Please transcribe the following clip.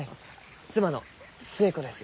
妻の寿恵子です。